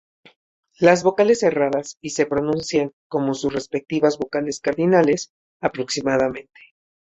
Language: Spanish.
Las vocales cerradas y se pronuncian como sus respectivas vocales cardinales, aproximadamente.